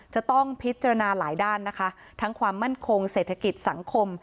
จะต้องพิจารณาหลายด้านนะคะทั้งความมั่นคงเศรษฐกิจสังคม